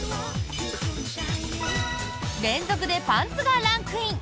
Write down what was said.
連続でパンツがランクイン。